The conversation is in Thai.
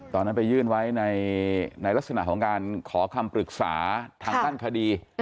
ตอนนั้นไปยื่นไว้ในลักษณะของการขอคำปรึกษาทางด้านคดี